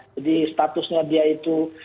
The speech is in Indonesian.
jadi statusnya dia itu